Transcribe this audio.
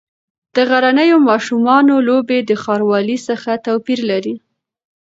د غرنیو ماشومانو لوبې د ښاروالۍ څخه توپیر لري.